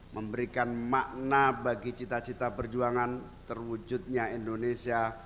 memberikan makna bagi cita cita perjuangan terwujudnya indonesia